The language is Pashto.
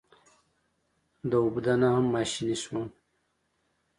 د اوبدنه هم ماشیني شوه.